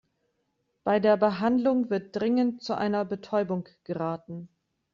Bei der Behandlung wird dringend zu einer Betäubung geraten.